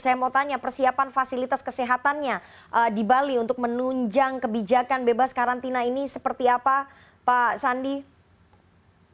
saya mau tanya persiapan fasilitas kesehatannya di bali untuk menunjang kebijakan bebas karantina ini seperti apa pak sandi